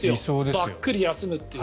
ばっくり休むという。